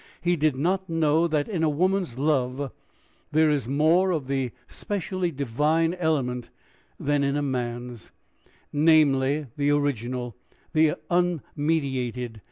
He did not know that in a woman's love there is more of the specially divine element than in a man's namely, the original, the unmediated.